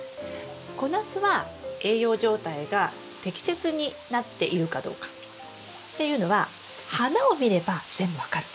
小ナスは栄養状態が適切になっているかどうかっていうのは花を見れば全部分かるんです。